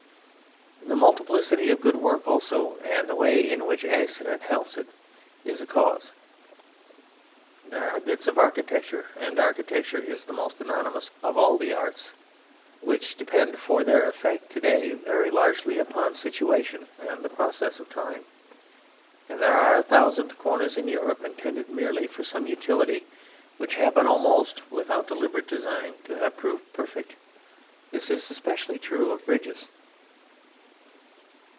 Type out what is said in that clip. The multiplicity of good work also and the way in which accident helps it is a cause. There are bits of architecture (and architecture is the most anonymous of all the arts) which depend for their effect to day very largely upon situation and the process of time, and there are a thousand corners in Europe intended merely for some utility which happen almost without deliberate design to have proved perfect: this is especially true of bridges.